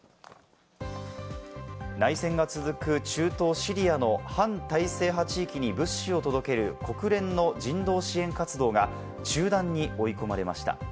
内戦が続く中東・シリアの反体制派地域に物資を届ける国連の人道支援活動が中断に追い込まれました。